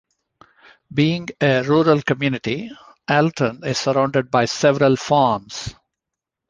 Being a rural community, Alton is surrounded by several farms.